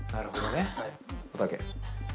おたけ。